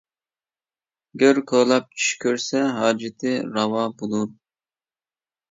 گۆر كولاپ چۈش كۆرسە ھاجىتى راۋا بولۇر.